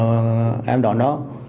rồi em đón đó